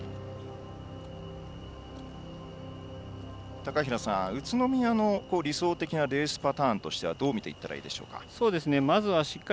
高平さん、宇都宮の理想的なレースパターンとしてはどう見ていますか。